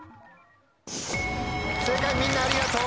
正解みんなありがとう。